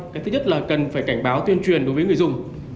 cái thứ nhất là cần phải cảnh báo tuyên truyền đối với người dùng